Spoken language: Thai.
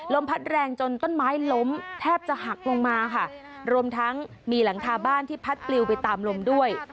พัดแรงจนต้นไม้ล้มแทบจะหักลงมาค่ะรวมทั้งมีหลังคาบ้านที่พัดปลิวไปตามลมด้วย